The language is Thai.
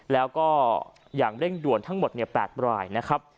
แล้วก็อย่างเร่งด่วนทั้งหมด๘รายนะครับ